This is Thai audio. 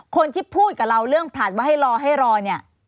คนที่พูดกับเราเรื่องผลัดว่าให้รอให้รอเนี่ย